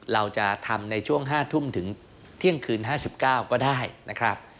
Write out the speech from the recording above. เราจะทำในช่วง๕ทุ่มถึงเที่ยงคืน๕๙ก็ได้นะครับ